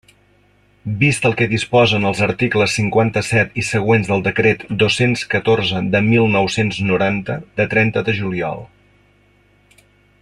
Vist el que disposen els articles cinquanta-set i següents del Decret dos-cents catorze de mil nou-cents noranta, de trenta de juliol.